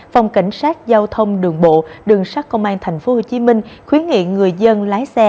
phòng cảnh sát giao thông đường bộ đường sắt công an tp hcm khuyến nghị người dân lái xe